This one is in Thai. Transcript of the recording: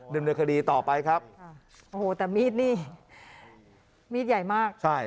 ดำเนินคดีต่อไปครับค่ะโอ้โหแต่มีดนี่มีดใหญ่มากใช่